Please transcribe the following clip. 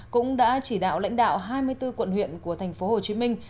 cũng đã chỉ đạo lãnh đạo hai mươi bốn quận huyện của thành phố hồ chí minh